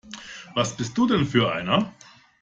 Was bist du denn für einer?